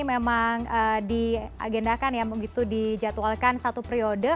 memang diagendakan ya begitu dijadwalkan satu periode